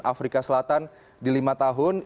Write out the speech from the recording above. afrika selatan di lima tahun